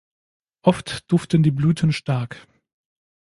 Oft duften die Blüten stark.